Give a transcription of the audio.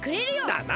だな！